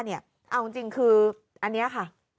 เอาจริงคืออันนี้ค่ะ